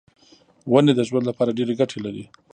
ونې د ژوند لپاره ډېرې ګټې لري.